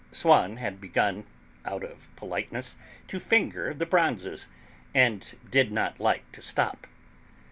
Swann had begun, out of politeness, to finger the bronzes, and did not like to stop.